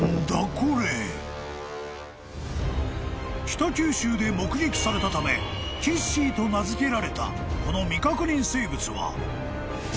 ［北九州で目撃されたためキッシーと名付けられたこの未確認生物は］